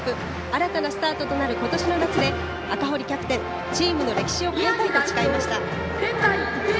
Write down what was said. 新たなスタートとなる今年の夏で赤堀キャプテンチームの歴史を変えたいと誓いました。